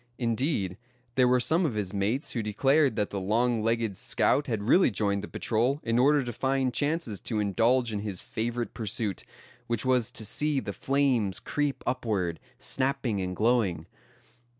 Indeed, there were some of his mates who declared that the long legged scout had really joined the patrol in order to find chances to indulge in his favorite pursuit, which was to see the flames creep upward, snapping and glowing.